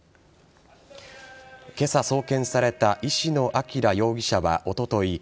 今朝送検された石野彰容疑者はおととい